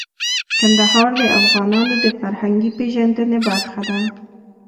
کندهار د افغانانو د فرهنګي پیژندنې برخه ده.